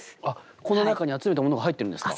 この中に集めたものが入ってるんですか？